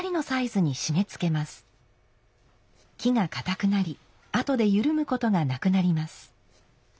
木がかたくなりあとで緩むことがなくなります。